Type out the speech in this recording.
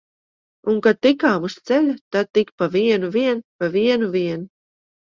Un kad tikām uz ceļa, tad tik pa vienu vien, pa vienu vien!